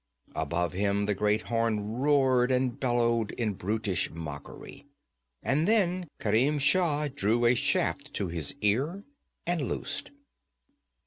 Above him the great horn roared and bellowed in brutish mockery. And then Kerim Shah drew a shaft to his ear and loosed.